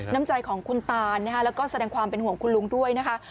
น้ำใจของคุณตานแล้วก็แสดงความเป็นห่วงคุณลุงด้วยนะคะ